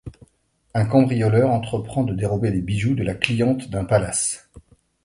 Un cambrioleur entreprend de dérober les bijoux de la cliente d'un palace.